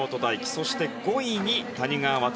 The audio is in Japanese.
そして、５位に谷川航。